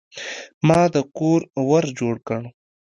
ما د کور ور جوړ کړ.